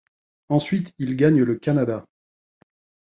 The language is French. Ensuite il gagne le Canada.